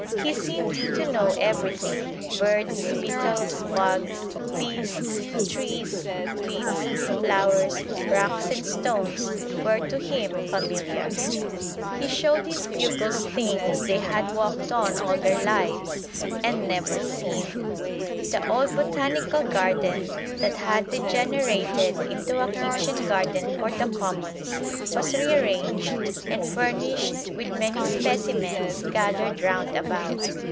He seemed to know everything: birds, beetles, bugs, beasts, trees, weeds, flowers, rocks and stones were to him familiar. He showed his pupils things they had walked on all their lives and never seen. The old Botanical Garden that had degenerated into a kitchen garden for the Commons was rearranged and furnished with many specimens gathered round about.